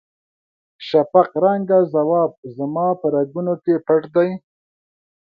شفق رنګه ځواب زما په رګونو کې پټ دی.